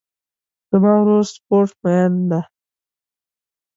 زما ورور سپورټ مین ده